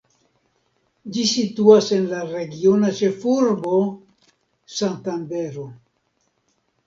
Ĝi situas en la regiona ĉefurbo, Santandero.